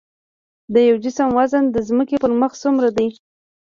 د یو جسم وزن د ځمکې پر مخ څومره دی؟